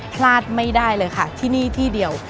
พลาดไม่ได้เลยค่ะที่นี่ที่เดียว